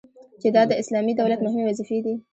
چي دا د اسلامي دولت مهمي وظيفي دي